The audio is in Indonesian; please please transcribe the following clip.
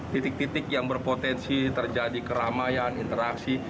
titik titik yang berpotensi terjadi keramaian interaksi